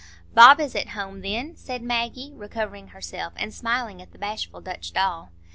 "Bob is at home, then?" said Maggie, recovering herself, and smiling at the bashful Dutch doll.